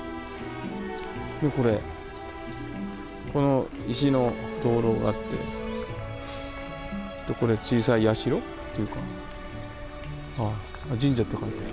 これこの石の灯籠があってこれ小さい社っていうか「神社」って書いてある。